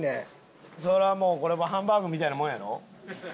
そりゃこれもうハンバーグみたいなもんやろ？